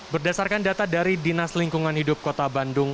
berdasarkan data dari dinas lingkungan hidup kota bandung